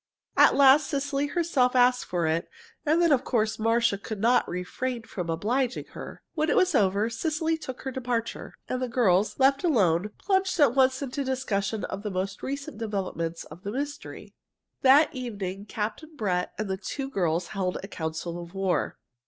At last Cecily herself asked for it, and then, of course, Marcia could not refrain from obliging her. When it was over, Cecily took her departure, and the girls, left alone, plunged at once into the discussion of the most recent developments of the mystery. That evening Captain Brett and the two girls held a council of war.